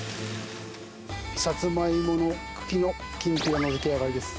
サツマイモの茎のきんぴらの出来上がりです。